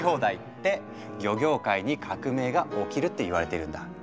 って漁業界に革命が起きるって言われているんだ。